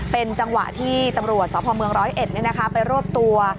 เป็นจังหวะที่ตำรวจสพเมืองร้อยเอ็ดไปรวบตัว